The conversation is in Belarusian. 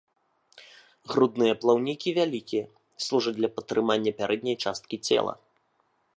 Грудныя плаўнікі вялікія, служаць для падтрымання пярэдняй часткі цела.